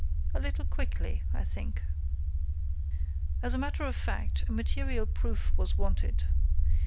"A little quickly, I think." "As a matter of fact, a material proof was wanted.